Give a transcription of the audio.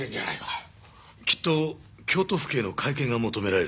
きっと京都府警の会見が求められるでしょうが。